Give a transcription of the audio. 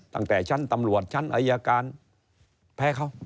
ตั้งแต่ชั้นตำรวจชั้นอายการแพ้เขา